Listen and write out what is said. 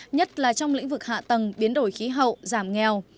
nhất là trong lĩnh vực hạ tầng biến đổi khí hậu giảm nghèo